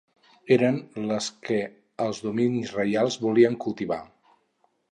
Eren les que els dominis reials volien cultivar.